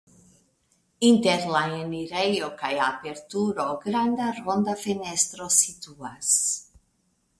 Inter la enirejo kaj aperturo granda ronda fenestro situas.